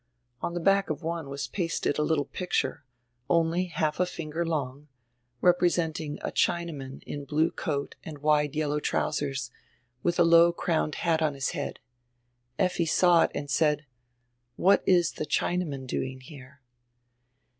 On die back of one was pasted a little picture, only half a finger long, representing a Chinaman in blue coat and wide yellow trousers, widi a low crowned hat on his head. Effi saw it and said: "What is the Chinaman doing here?"